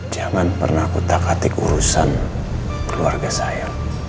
jangan pernah ku tak hati urusan keluarga saya